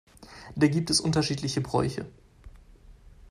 Da gibt es unterschiedliche Bräuche.